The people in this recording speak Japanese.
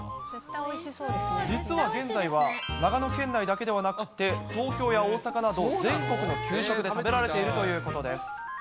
実は現在は、長野県内だけではなくて、東京や大阪など、全国の給食で食べられているということです。